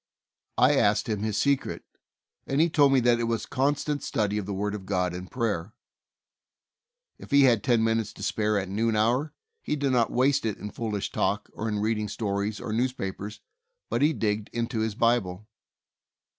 I asked him his secret, and he told me that it was constant study of the Word of God and prayer. If he had BIBLE STUDY, l7l ten minutes to spare at noon hour, he did not waste it in foolish talk, or in reading stories or newspapers, but he digged into his Bible.